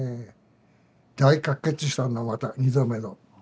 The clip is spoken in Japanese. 大喀血したんだまた２度目の。